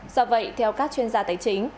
do vậy theo các chuyên gia tài chính